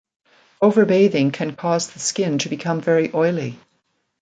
Over-bathing can cause the skin to become very oily.